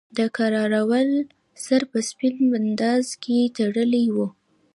د کراول سر په سپین بنداژ کې تړلی وو.